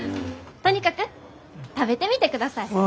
とにかく食べてみてください！